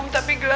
ma pikir kepala